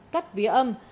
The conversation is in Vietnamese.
cắt vía âm